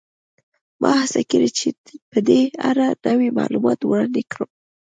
ما هڅه کړې چې په دې اړه نوي معلومات وړاندې کړم